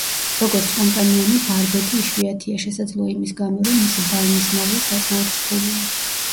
როგორც კომპანიონი ბარბეტი იშვიათია, შესაძლოა იმის გამო, რომ მისი ბალნის მოვლა საკმაოდ რთულია.